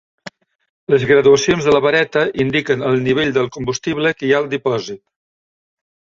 Les graduacions de la vareta indiquen el nivell del combustible que hi ha al dipòsit.